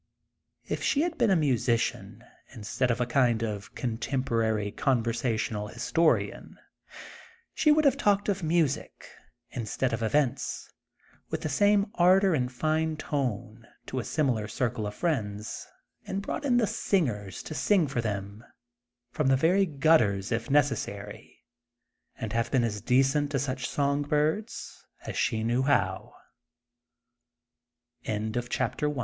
If she had been a musician, instead of a kind of contemporary conversational his torian, she would have talked of music, in stead of events, with the same ardor and fine tone, to a similar circle of friends, and brought in the singers, to sing for them, from the very gutters if necessary,*and have been as decent to such song